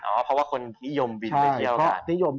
เธอบอกว่าคนนิยมบินไว้เที่ยวกัน